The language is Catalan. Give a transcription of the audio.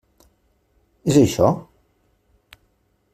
És això?